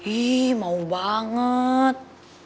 ih mau banget